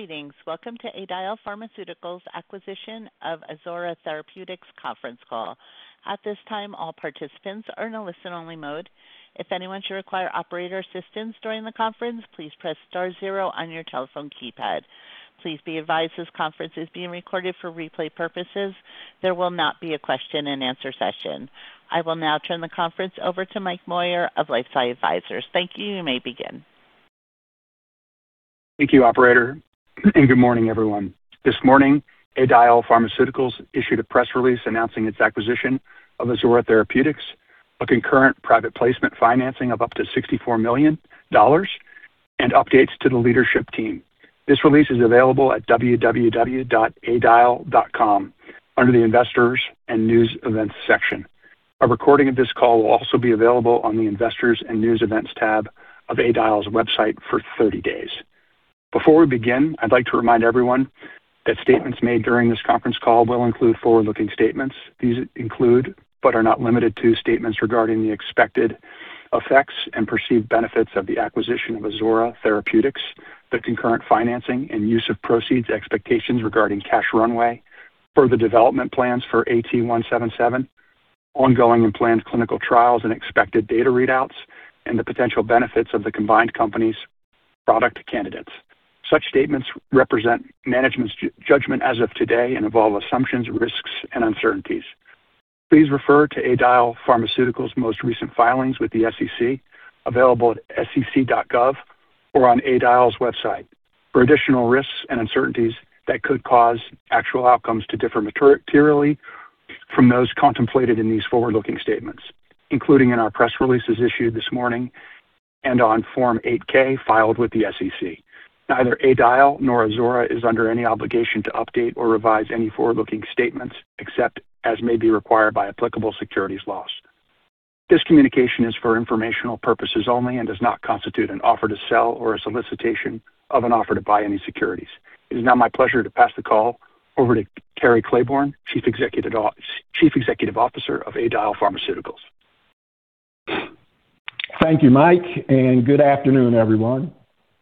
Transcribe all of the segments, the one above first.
Greetings. Welcome to Adial Pharmaceuticals' acquisition of Azora Therapeutics conference call. At this time, all participants are in a listen-only mode. If anyone should require operator assistance during the conference, please press star zero on your telephone keypad. Please be advised this conference is being recorded for replay purposes. There will not be a question-and-answer session. I will now turn the conference over to Mike Moyer of LifeSci Advisors. Thank you. You may begin. Thank you, operator. Good morning, everyone. This morning, Adial Pharmaceuticals issued a press release announcing its acquisition of Azora Therapeutics, a concurrent private placement financing of up to $64 million, and updates to the leadership team. This release is available at www.adial.com under the Investors and News Events section. A recording of this call will also be available on the Investors and News Events tab of Adial's website for 30 days. Before we begin, I'd like to remind everyone that statements made during this conference call will include forward-looking statements. These include, but are not limited to, statements regarding the expected effects and perceived benefits of the acquisition of Azora Therapeutics, the concurrent financing and use of proceeds expectations regarding cash runway, further development plans for AT177, ongoing and planned clinical trials and expected data readouts, and the potential benefits of the combined company's product candidates. Such statements represent management's judgment as of today and involve assumptions, risks, and uncertainties. Please refer to Adial Pharmaceuticals' most recent filings with the SEC, available at sec.gov or on Adial's website, for additional risks and uncertainties that could cause actual outcomes to differ materially from those contemplated in these forward-looking statements, including in our press releases issued this morning and on Form 8-K filed with the SEC. Neither Adial nor Azora is under any obligation to update or revise any forward-looking statements except as may be required by applicable securities laws. This communication is for informational purposes only and does not constitute an offer to sell or a solicitation of an offer to buy any securities. It is now my pleasure to pass the call over to Cary Claiborne, Chief Executive Officer of Adial Pharmaceuticals. Thank you, Mike. Good afternoon, everyone.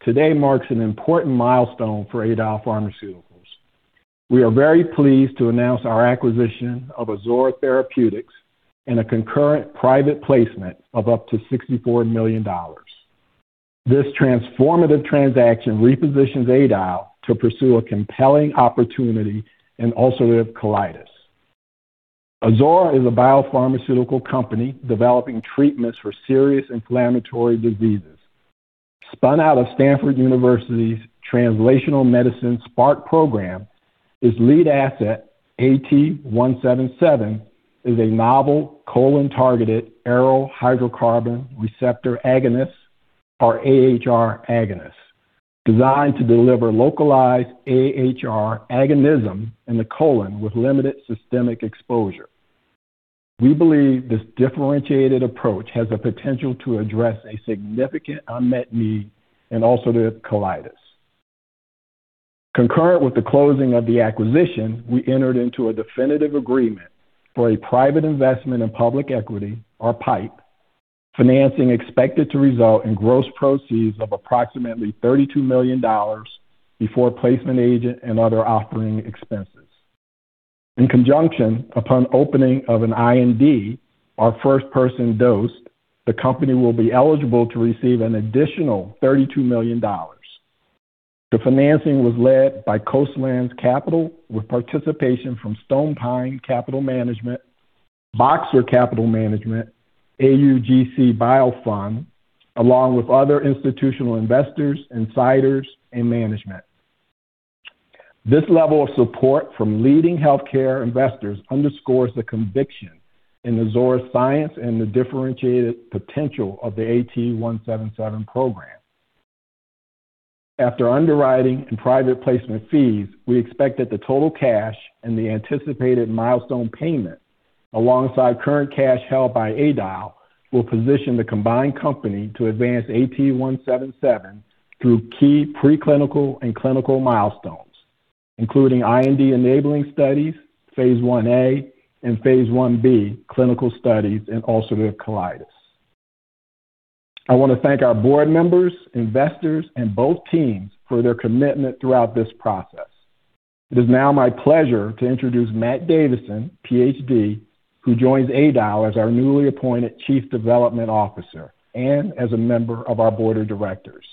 Today marks an important milestone for Adial Pharmaceuticals. We are very pleased to announce our acquisition of Azora Therapeutics in a concurrent private placement of up to $64 million. This transformative transaction repositions Adial to pursue a compelling opportunity in ulcerative colitis. Azora is a biopharmaceutical company developing treatments for serious inflammatory diseases. Spun out of Stanford University's Translational Medicine SPARK program, its lead asset, AT177, is a novel colon-targeted aryl hydrocarbon receptor agonist, or AhR agonist, designed to deliver localized AhR agonism in the colon with limited systemic exposure. We believe this differentiated approach has the potential to address a significant unmet need in ulcerative colitis. Concurrent with the closing of the acquisition, we entered into a definitive agreement for a private investment in public equity, or PIPE, financing expected to result in gross proceeds of approximately $32 million before placement agent and other offering expenses. In conjunction, upon opening of an IND, our first person dosed, the company will be eligible to receive an additional $32 million. The financing was led by Coastlands Capital with participation from Stonepine Capital Management, Boxer Capital Management, AuGC BioFund, along with other institutional investors, insiders, and management. This level of support from leading healthcare investors underscores the conviction in Azora's science and the differentiated potential of the AT177 program. After underwriting and private placement fees, we expect that the total cash and the anticipated milestone payment, alongside current cash held by Adial, will position the combined company to advance AT177 through key preclinical and clinical milestones, including IND-enabling studies, phase I-A and phase I-B clinical studies in ulcerative colitis. I want to thank our board members, investors, and both teams for their commitment throughout this process. It is now my pleasure to introduce Matt Davidson, PhD, who joins Adial as our newly appointed Chief Development Officer and as a member of our Board of Directors.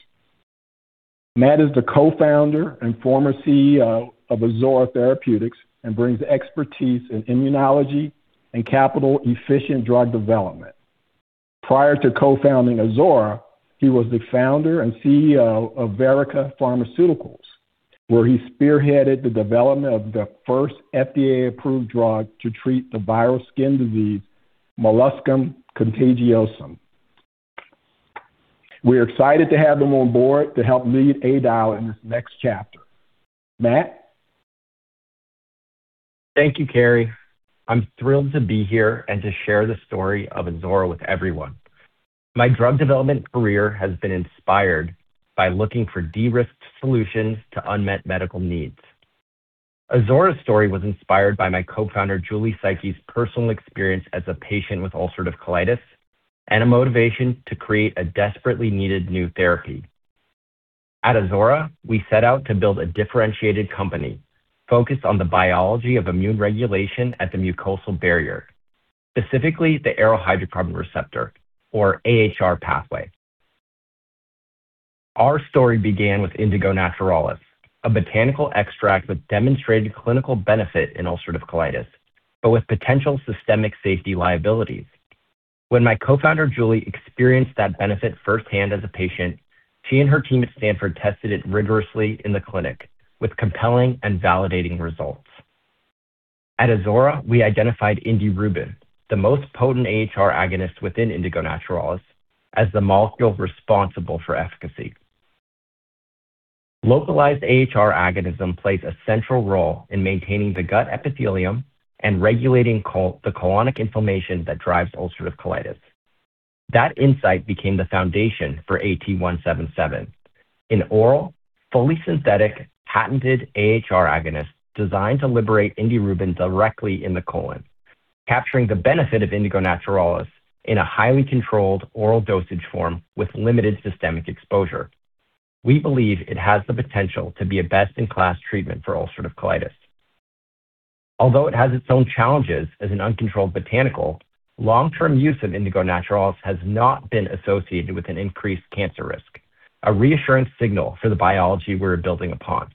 Matt is the co-founder and former CEO of Azora Therapeutics and brings expertise in immunology and capital-efficient drug development. Prior to co-founding Azora, he was the founder and CEO of Verrica Pharmaceuticals, where he spearheaded the development of the first FDA-approved drug to treat the viral skin disease molluscum contagiosum. We are excited to have him on board to help lead Adial in this next chapter. Matt? Thank you, Cary. I'm thrilled to be here and to share the story of Azora with everyone. My drug development career has been inspired by looking for de-risked solutions to unmet medical needs. Azora's story was inspired by my co-founder, Julie Saiki's personal experience as a patient with ulcerative colitis and a motivation to create a desperately needed new therapy. At Azora, we set out to build a differentiated company focused on the biology of immune regulation at the mucosal barrier, specifically the aryl hydrocarbon receptor, or AhR pathway. Our story began with Indigo naturalis, a botanical extract that demonstrated clinical benefit in ulcerative colitis, but with potential systemic safety liabilities. When my co-founder, Julie, experienced that benefit firsthand as a patient, she and her team at Stanford tested it rigorously in the clinic with compelling and validating results. At Azora, we identified indirubin, the most potent AhR agonist within Indigo naturalis, as the molecule responsible for efficacy. Localized AhR agonism plays a central role in maintaining the gut epithelium and regulating the colonic inflammation that drives ulcerative colitis. That insight became the foundation for AT177, an oral, fully synthetic, patented AhR agonist designed to liberate indirubin directly in the colon, capturing the benefit of Indigo naturalis in a highly controlled oral dosage form with limited systemic exposure. We believe it has the potential to be a best-in-class treatment for ulcerative colitis. Although it has its own challenges as an uncontrolled botanical, long-term use of Indigo naturalis has not been associated with an increased cancer risk, a reassurance signal for the biology we're building upon.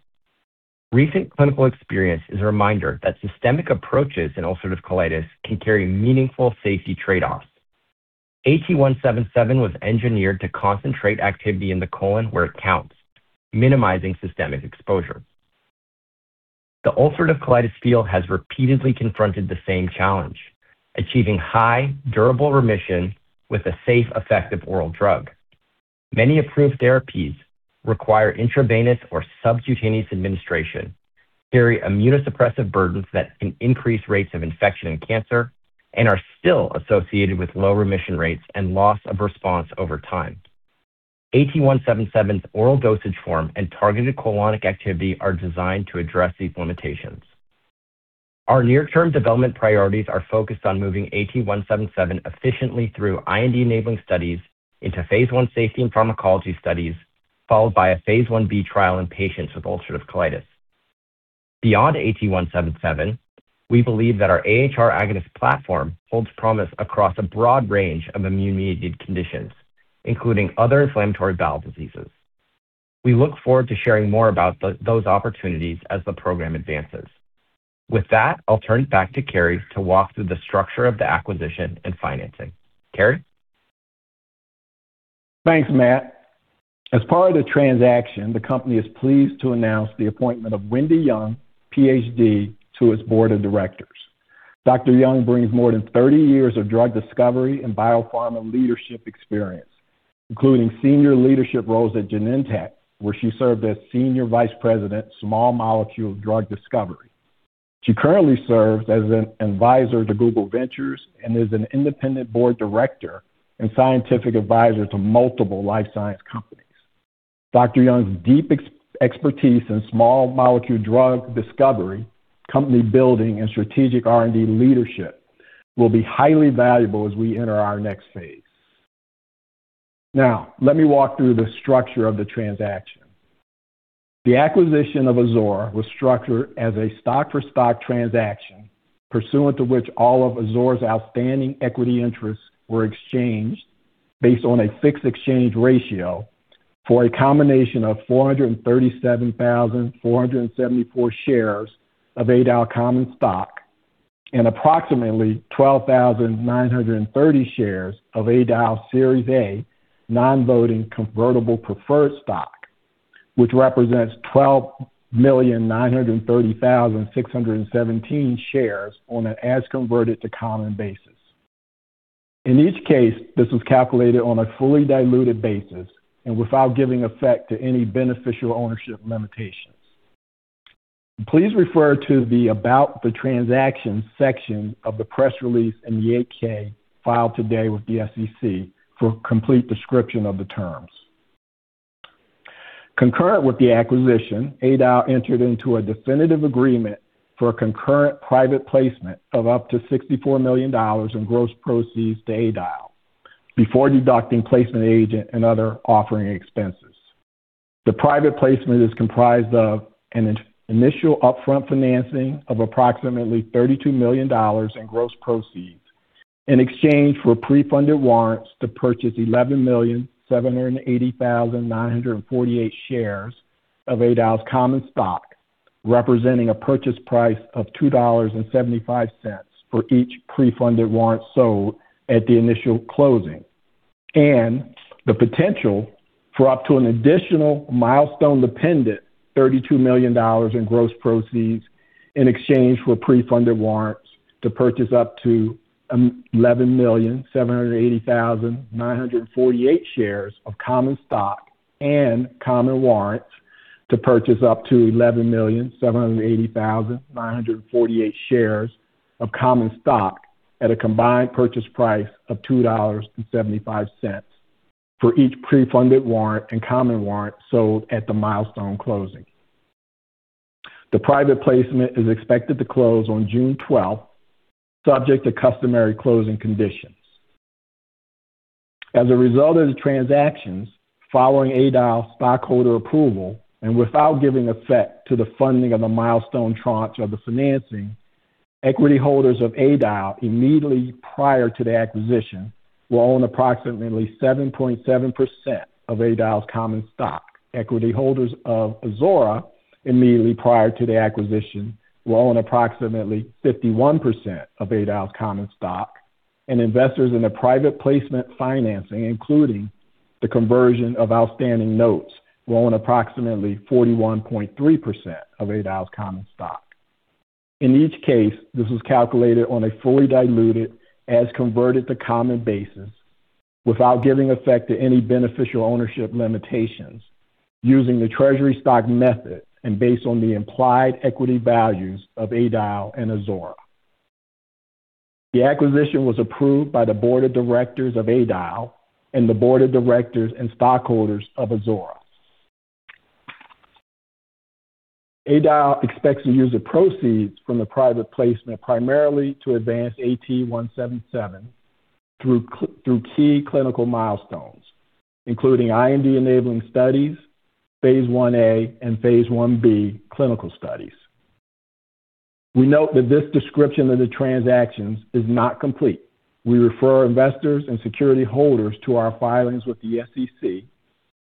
Recent clinical experience is a reminder that systemic approaches in ulcerative colitis can carry meaningful safety trade-offs. AT177 was engineered to concentrate activity in the colon where it counts, minimizing systemic exposure. The ulcerative colitis field has repeatedly confronted the same challenge: achieving high, durable remission with a safe, effective oral drug. Many approved therapies require intravenous or subcutaneous administration, carry immunosuppressive burdens that can increase rates of infection and cancer, and are still associated with low remission rates and loss of response over time. AT177's oral dosage form and targeted colonic activity are designed to address these limitations. Our near-term development priorities are focused on moving AT177 efficiently through IND-enabling studies into phase I safety and pharmacology studies, followed by a phase I-B trial in patients with ulcerative colitis. Beyond AT177, we believe that our AhR agonist platform holds promise across a broad range of immune-mediated conditions, including other inflammatory bowel diseases. We look forward to sharing more about those opportunities as the program advances. With that, I'll turn it back to Cary to walk through the structure of the acquisition and financing. Cary? Thanks, Matt. As part of the transaction, the company is pleased to announce the appointment of Wendy Young, PhD, to its board of directors. Dr. Young brings more than 30 years of drug discovery and biopharma leadership experience, including senior leadership roles at Genentech, where she served as Senior Vice President, Small Molecule Drug Discovery. She currently serves as an advisor to Google Ventures and is an independent board director and scientific advisor to multiple life science companies. Dr. Young's deep expertise in small molecule drug discovery, company building, and strategic R&D leadership will be highly valuable as we enter our next phase. Now, let me walk through the structure of the transaction. The acquisition of Azora was structured as a stock-for-stock transaction, pursuant to which all of Azora's outstanding equity interests were exchanged based on a fixed exchange ratio for a combination of 437,474 shares of Adial common stock and approximately 12,930 shares of Adial Series A non-voting convertible preferred stock, which represents 12,930,617 shares on an as converted to common basis. In each case, this was calculated on a fully diluted basis and without giving effect to any beneficial ownership limitations. Please refer to the About the Transaction section of the press release and the 8-K filed today with the SEC for a complete description of the terms. Concurrent with the acquisition, Adial entered into a definitive agreement for a concurrent private placement of up to $64 million in gross proceeds to Adial before deducting placement agent and other offering expenses. The private placement is comprised of an initial upfront financing of approximately $32 million in gross proceeds in exchange for pre-funded warrants to purchase 11,780,948 shares of Adial's common stock, representing a purchase price of $2.75 for each pre-funded warrant sold at the initial closing, and the potential for up to an additional milestone-dependent $32 million in gross proceeds in exchange for pre-funded warrants to purchase up to 11,780,948 shares of common stock and common warrants to purchase up to 11,780,948 shares of common stock at a combined purchase price of $2.75 for each pre-funded warrant and common warrant sold at the milestone closing. The private placement is expected to close on June 12th, subject to customary closing conditions. As a result of the transactions, following Adial's stockholder approval, and without giving effect to the funding of the milestone tranche of the financing, equity holders of Adial immediately prior to the acquisition will own approximately 7.7% of Adial's common stock. Equity holders of Azora immediately prior to the acquisition will own approximately 51% of Adial's common stock. Investors in the private placement financing, including the conversion of outstanding notes, will own approximately 41.3% of Adial's common stock. In each case, this was calculated on a fully diluted as converted to common basis without giving effect to any beneficial ownership limitations using the treasury stock method and based on the implied equity values of Adial and Azora. The acquisition was approved by the board of directors of Adial and the board of directors and stockholders of Azora. Adial expects to use the proceeds from the private placement primarily to advance AT177 through key clinical milestones, including IND-enabling studies, phase I-A and phase I-B clinical studies. We note that this description of the transactions is not complete. We refer investors and security holders to our filings with the SEC,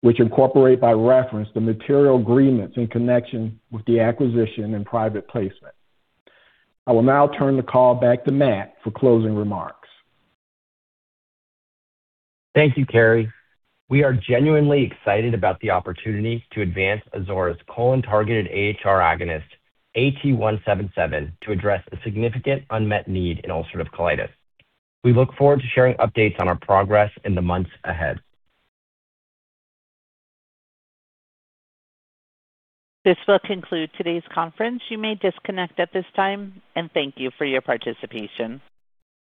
which incorporate by reference the material agreements in connection with the acquisition and private placement. I will now turn the call back to Matt for closing remarks. Thank you, Cary. We are genuinely excited about the opportunity to advance Azora's colon-targeted AhR agonist, AT177, to address a significant unmet need in ulcerative colitis. We look forward to sharing updates on our progress in the months ahead. This will conclude today's conference. You may disconnect at this time, and thank you for your participation.